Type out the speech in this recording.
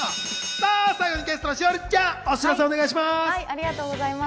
ゲストの栞里ちゃんお知らせお願いします。